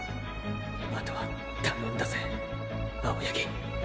あとは頼んだぜ青八木。